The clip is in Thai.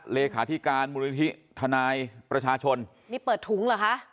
เลขาธิการมูลนิธิทนายประชาชนนี่เปิดถุงเหรอคะ